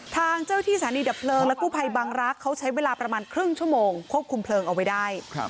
ทางเจ้าที่สถานีดับเพลิงและกู้ภัยบังรักษ์เขาใช้เวลาประมาณครึ่งชั่วโมงควบคุมเพลิงเอาไว้ได้